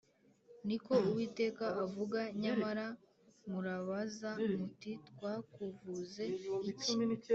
ni ko Uwiteka avuga nyamara murabaza muti ‘Twakuvuze iki?’